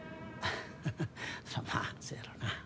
ハハまあそやろな。